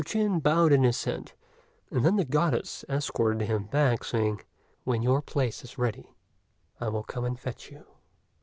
Chin bowed an assent; and then the Goddess escorted him back, saying, "When your place is ready, I will come and fetch you."